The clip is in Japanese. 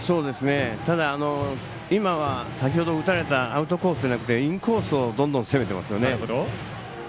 ただ、今は先ほど打たれたアウトコースじゃなくてインコースをどんどん攻めていますよね。